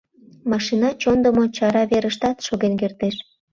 «Машина чондымо, чара верыштат шоген кертеш.